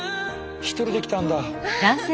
一人で来たんだ。